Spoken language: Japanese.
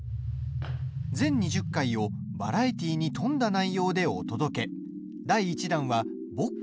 全２０回をバラエティーに富んだ内容でお届け。